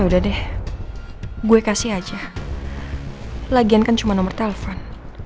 udah deh gue kasih aja lagian kan cuma nomor telepon